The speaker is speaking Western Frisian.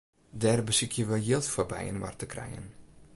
Dêr besykje we jild foar byinoar te krijen.